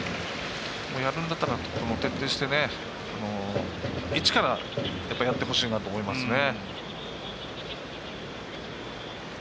やるんだったら徹底して一からやってほしいなと思いますね。